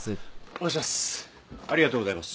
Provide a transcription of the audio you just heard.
お願いします。